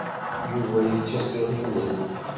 Yuba yečča s uɣiwel.